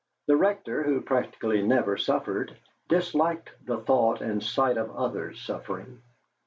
The Rector, who practically never suffered, disliked the thought and sight of others' suffering.